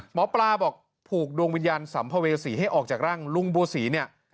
หมอปลาบอกผูกดวงวิญญาณสัมภเวษีให้ออกจากร่างลุงบัวศรีเนี่ย